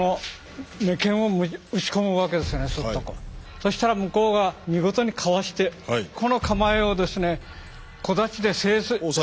そしたら向こうが見事にかわしてこの構えをですね